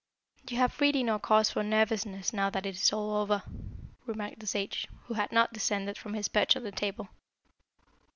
"You have really no cause for nervousness now that it is all over," remarked the sage, who had not descended from his perch on the table.